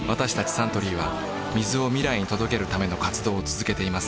サントリーは水を未来に届けるための活動を続けています